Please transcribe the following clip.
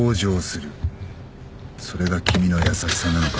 それが君の優しさなのか？